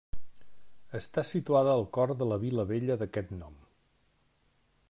Està situada al cor de la vila vella d'aquest nom.